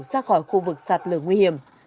xa khỏi khu vực sạt lở nguy hiểm